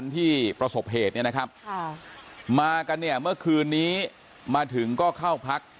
ที่ประสบเหตุเนี่ยนะครับมากันเนี่ยเมื่อคืนนี้มาถึงก็เข้าพัก